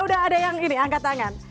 udah ada yang ini angkat tangan